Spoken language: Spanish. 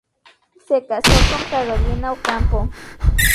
Se casó con Carolina Ocampo.